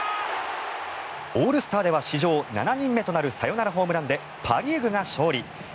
オールスターでは史上７人目となるサヨナラホームランでパ・リーグが勝利。